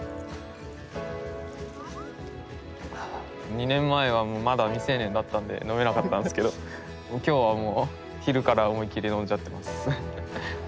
２年前はまだ未成年だったんで飲めなかったんですけど今日はもう昼から思い切り飲んじゃってます。